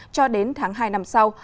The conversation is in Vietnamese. cho đến tháng hai năm sau